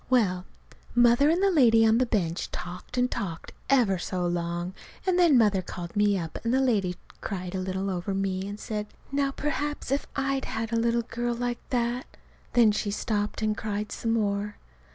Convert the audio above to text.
Well, Mother and the lady on the bench talked and talked ever so long, and then Mother called me up, and the lady cried a little over me, and said, "Now, perhaps, if I'd had a little girl like that !" Then she stopped and cried some more.